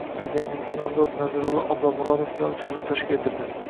Prezidentlikka nomzod Narzulla Oblomurodov bilan uchrashuv tashkil etildi